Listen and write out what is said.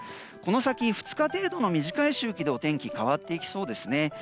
この先２日程度の短い周期でお天気変わっていきそうですね。